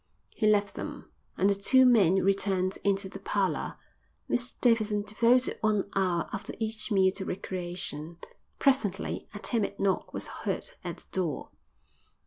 He left them, and the two men returned into the parlour. Mr Davidson devoted one hour after each meal to recreation. Presently a timid knock was heard at the door.